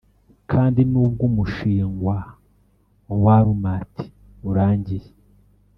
kandi nubwo umushingwa wa Walmart urangiye